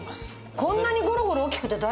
こんなにゴロゴロ大きくて大丈夫？